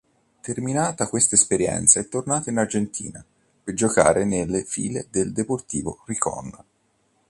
Terminata questa esperienza è tornato in Argentina, per giocare nelle file del Deportivo Rincón.